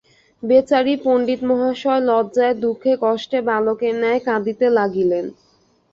বেচারি পণ্ডিমহাশয় লজ্জায় দুঃখে কষ্টে বালকের ন্যায় কাঁদিতে লাগিলেন।